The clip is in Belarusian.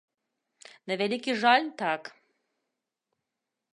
На вялікі жаль, так.